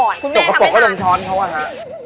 ขนกกระโปรกก็กลมท้อนเพราะนะ